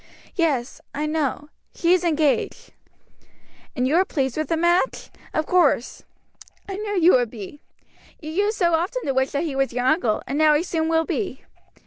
"Yet; I know; she is engaged." "And you are pleased with the match, of course; I knew you would be. You used so often to wish that he was your uncle, and now he soon will be.